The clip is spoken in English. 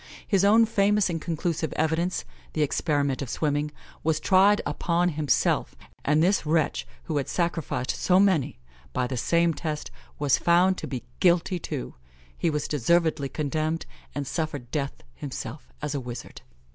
His own famous and conclusive evidence the experiment of swimming was tried upon himself; and this wretch, who had sacrificed so many, by the same test, was found to be guilty, too. He was deservedly condemned, and suffered death himself as a wizard.